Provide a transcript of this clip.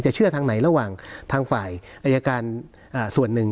เชื่อทางไหนระหว่างทางฝ่ายอายการส่วนหนึ่ง